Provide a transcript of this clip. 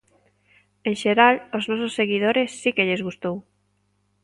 En xeral, aos nosos seguidores si que lles gustou.